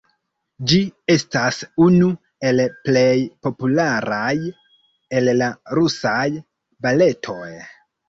Ĝi estas unu el plej popularaj el la Rusaj Baletoj.